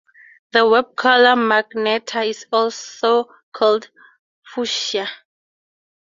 The web color magenta is also called fuchsia.